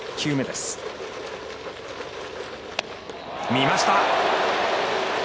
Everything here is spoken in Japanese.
見ました。